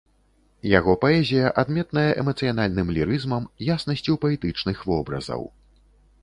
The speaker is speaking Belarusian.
Яго паэзія адметная эмацыянальным лірызмам, яснасцю паэтычных вобразаў.